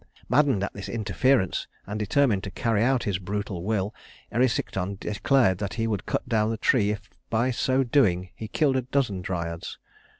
Maddened at this interference, and determined to carry out his brutal will, Erysichthon declared that he would cut down the tree if by so doing he killed a dozen Dryads.